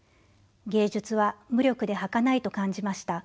芸術は無力ではかないと感じました。